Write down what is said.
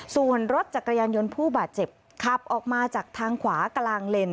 ส่วนรถจักรยานยนต์ผู้บาดเจ็บขับออกมาจากทางขวากลางเลน